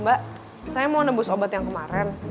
mbak saya mau nebus obat yang kemarin